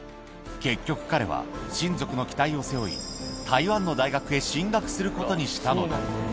結局、彼は親族の期待を背負い、台湾の大学へ進学することにしたのだ。